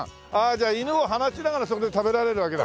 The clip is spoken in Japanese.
じゃあ犬を放しながらそこで食べられるわけだ。